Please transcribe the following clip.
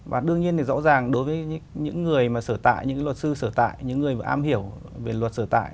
và đương nhiên thì rõ ràng đối với những người mà sở tại những luật sư sở tại những người mà am hiểu về luật sở tại